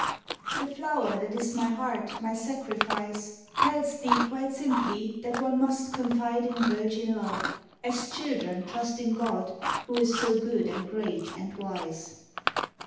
The flow'r that is my heart, my sacrifice, Tells thee quite simply that one must Confide in virgin love, as children trust In God who is so good and great and wise.